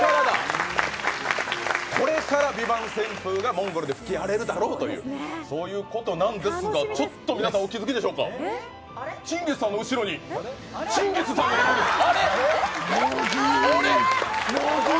これから「ＶＩＶＡＮＴ」旋風がモンゴルで吹き荒れるだろうという、そういうことなんですが、ちょっと皆さんお気づきでしょうか、チンギスさんの後ろにチンギスさんがいるんですよ。